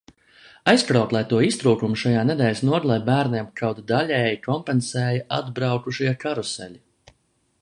Aizkrauklē to iztrūkumu šajā nedēļas nogalē bērniem kaut daļēji kompensēja atbraukušie karuseļi.